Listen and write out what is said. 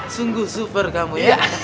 sungguh super kamu